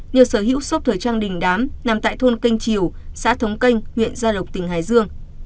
như sở hữu xốp thời trang đình đám nằm tại thôn kênh chiều xã thống kênh huyện gia lộc tỉnh hải dương